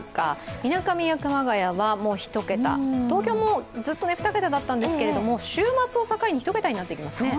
みなかみや熊谷は１桁東京もずっと１桁だったんですが、週末を境に１桁になってきますね。